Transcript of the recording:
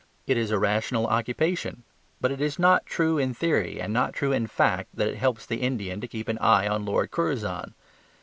It is a rational occupation: but it is not true in theory and not true in fact that it helps the Indian to keep an eye on Lord Curzon.